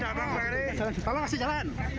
tolong kasih jalan